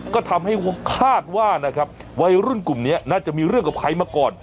ก็ทำให้คาดว่านะครับวัยรุ่นกลุ่มนี้น่าจะมีเรื่องกับใครมาก่อน